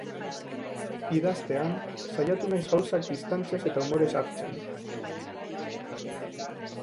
Idaztean, saiatu naiz gauzak distantziaz eta umorez hartzen.